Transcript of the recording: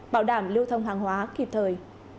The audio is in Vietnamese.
bảo đảm lưu thông hàng hóa kịp thời